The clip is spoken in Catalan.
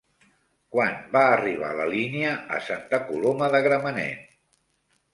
Quan va arribar la línia a Santa Coloma de Gramenet?